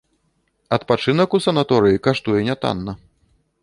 Адпачынак у санаторыі каштуе нятанна.